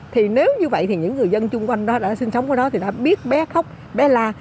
thì nếu như vậy thì những người dân chung quanh đó đã sinh sống qua đó thì ta biết bé khóc bé la